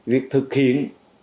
việc thực hiện